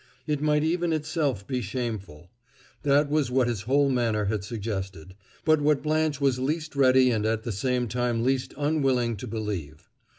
It might even itself be shameful; that was what his whole manner had suggested, but what Blanche was least ready and at the same time least unwilling to believe.